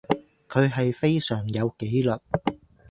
佢係非常有紀律